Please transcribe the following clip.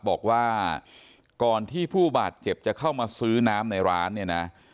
บอกว่าก่อนที่ผู้บาดเจ็บจะเข้ามาซื้อน้ำในร้านเนี่ยนะ